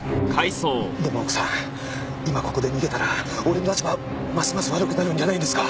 でも奥さん今ここで逃げたら俺の立場はますます悪くなるんじゃないんですか？